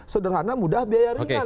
sederhana mudah biaya ringan